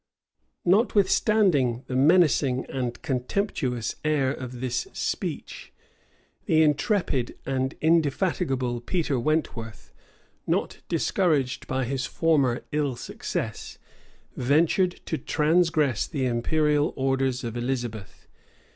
[*] Notwithstanding the menacing and contemptuous air of this speech, the intrepid and indefatigable Peter Wentworth, not discouraged by his former ill success, ventured to transgress the imperial orders of Elizabeth.